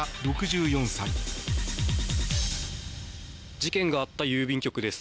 事件があった郵便局です。